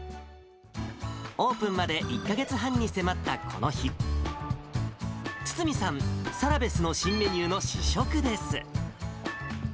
オープンまで１か月半に迫ったこの日、堤さん、サラベスの新メニューの試食です。